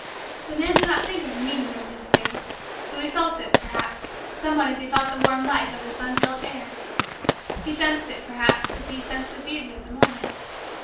The man did not think of the meaning of these things; though he felt it, perhaps, somewhat as he felt the warm life of the sun filled air: he sensed it, perhaps, as he sensed the beauty of the morning.